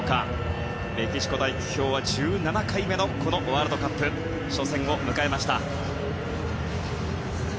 メキシコ代表は１７回目のワールドカップ初戦を迎えました。